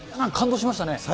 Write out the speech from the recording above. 感動しましたね。